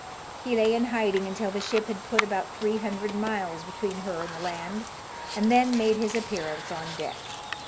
He lay in hiding until the ship had put about three hundred miles between her and the land, and then made his appear ance on deck.